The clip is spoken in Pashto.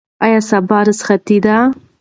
آیا سبا رخصتي ده؟